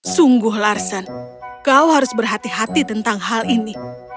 sungguh larsen kau harus berhati hati tentang hal ini